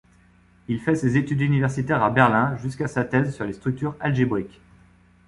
Il fait ses études universitaires à Berlin jusqu'à sa thèse sur les structures algébriques.